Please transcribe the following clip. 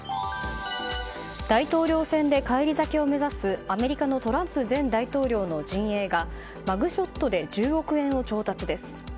大統領選で返り咲きを目指すアメリカのトランプ前大統領の陣営がマグショットで１０億円を調達です。